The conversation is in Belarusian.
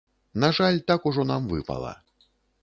На жаль, так ужо нам выпала.